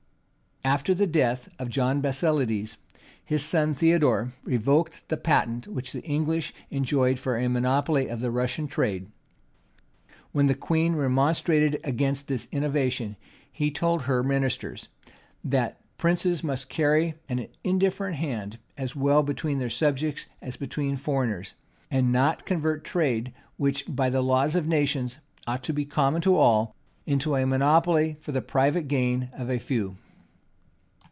After the death of John Basilides, his son Theodore revoked the patent which the English enjoyed for a monopoly of the Russian trade: when the queen remonstrated against this innovation, he told her ministers, that princes must carry an indifferent hand, as well between their subjects as between foreigners; and not convert trade, which, by the laws of nations, ought to be common to all, into a monopoly for the private gain of a few.